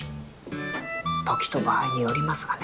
時と場合によりますがね。